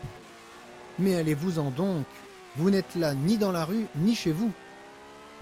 Mais allez-vous-en donc… vous n’êtes là ni dans la rue, ni chez vous.